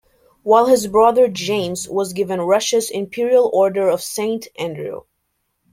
While his brother, James, was given Russia's Imperial Order of Saint Andrew.